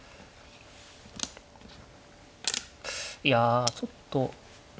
いやちょっと。